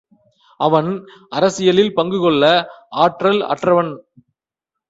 அவன், அரசியலில் பங்குகொள்ள ஆற்றல் அற்றவன்.